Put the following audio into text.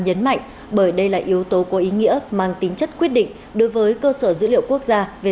nhấn mạnh bởi đây là yếu tố có ý nghĩa mang tính chất quyết định đối với cơ sở dữ liệu quốc gia về